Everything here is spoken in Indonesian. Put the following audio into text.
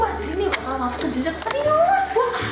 jadi ini bakalan masuk ke jenjang serius